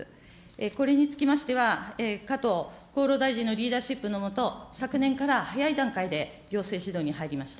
これにつきましては、加藤厚労大臣のリーダーシップの下、昨年から早い段階で行政指導に入りました。